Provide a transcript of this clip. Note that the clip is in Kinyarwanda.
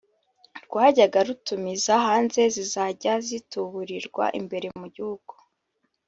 rwajyaga rutumiza hanze zizajya zituburirwa imbere mu Gihugu